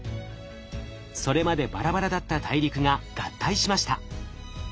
それまでバラバラだった大陸が合体しました。